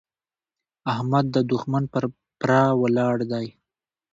احمد د دوښمن پر پره ولاړ دی.